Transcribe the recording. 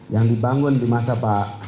yang dibangun di masa pak